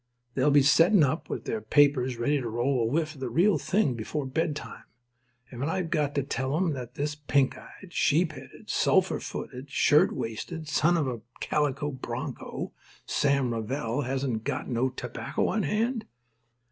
They'll be settin' up, with their papers ready to roll a whiff of the real thing before bedtime. And I've got to tell 'em that this pink eyed, sheep headed, sulphur footed, shirt waisted son of a calico broncho, Sam Revell, hasn't got no tobacco on hand."